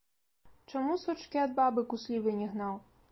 Чаму сучкі ад бабы куслівай не гнаў?